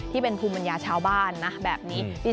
ที่เป็นภูมิปัญญาชาวบ้านนะแบบนี้